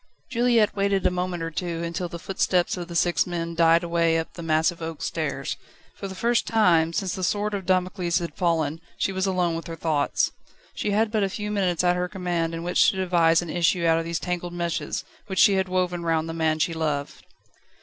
Juliette waited a moment or two, until the footsteps of the six men died away up the massive oak stairs. For the first time, since the sword of Damocles had fallen, she was alone with her thoughts. She had but a few moments at her command in which to devise an issue out of these tangled meshes, which she had woven round the man she loved.